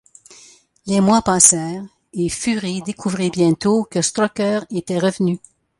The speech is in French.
Les mois passèrent, et Fury découvrit bientôt que Strucker était revenu.